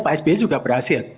pak sby juga berhasil